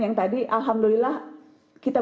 yang tadi alhamdulillah kita